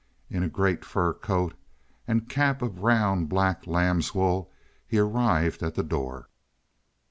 In a great fur coat and cap of round, black lamb's wool he arrived at the door.